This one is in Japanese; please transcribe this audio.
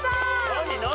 何何？